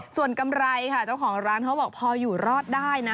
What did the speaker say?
ส่วนกำไรค่ะเจ้าของร้านเขาบอกพออยู่รอดได้นะ